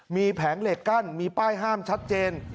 มีแผงเหล็กกั้นมีป้ายห้ามชัดเจน